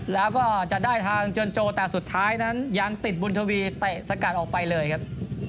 แล้วก็จะได้ทางเจินโจแต่สุดท้ายนั้นยังติดบุญทวีเตะสกัดออกไปเลยครับ